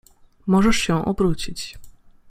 Możesz się obrócić.